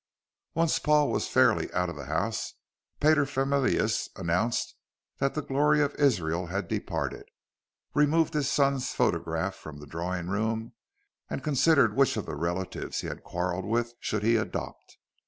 Once Paul was fairly out of the house paterfamilias announced that the glory of Israel had departed, removed his son's photograph from the drawing room, and considered which of the relatives he had quarrelled with he should adopt.